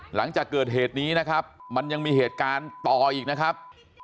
หลังจากเกิดเหตุนี้นะครับมันยังมีเหตุการณ์ต่ออีกนะครับ